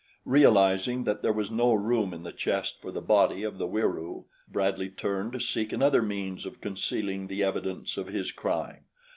Realizing that there was no room in the chest for the body of the Wieroo, Bradley turned to seek another means of concealing the evidence of his crime.